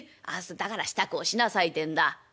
だから支度をしなさいてんだ」。